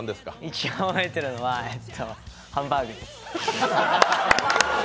一番覚えてるのはえっと、ハンバーグです。